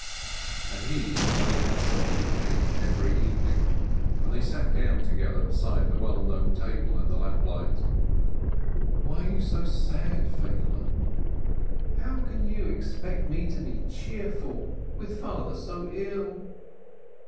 And he, Eleazar, came every evening, and they sat together beside the well known table in the lamplight. "Why are you so sad, Feigele ?" "How can you expect me to be cheerful, with father so ill?"